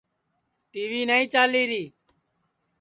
ٹی وی نائی چالیری